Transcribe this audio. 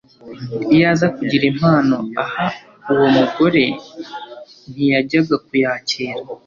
Iyo aza kugira impano aha uwo mugore, ntiyajyaga kuyakira;